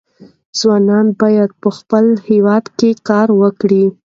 ځوانان باید په خپل هېواد کې کار وکړي.